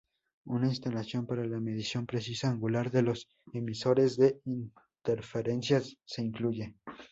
Una instalación para la medición precisa angular, de los emisores de interferencias se incluye.